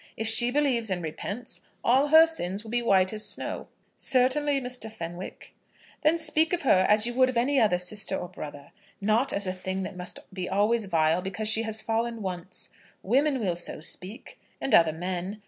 If she believes and repents, all her sins will be white as snow." "Certainly, Mr. Fenwick." "Then speak of her as you would of any other sister or brother, not as a thing that must be always vile because she has fallen once. Women will so speak, and other men.